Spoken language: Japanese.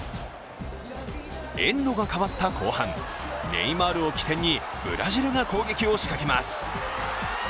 エンドが変わった後半、ネイマールを起点にブラジルが攻撃を仕掛けます。